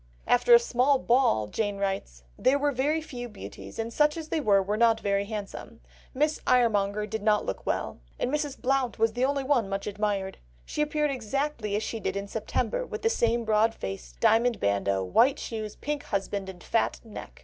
After a small ball Jane writes: "There were very few beauties, and such as there were were not very handsome. Miss Iremonger did not look well, and Mrs. Blount was the only one much admired. She appeared exactly as she did in September, with the same broad face, diamond bandeau, white shoes, pink husband, and fat neck.